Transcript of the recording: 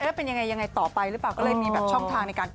เอ้ยเป็นยังไงต่อไปหรือไม่